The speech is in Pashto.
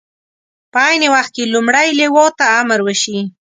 په عین وخت کې لومړۍ لواء ته امر وشي.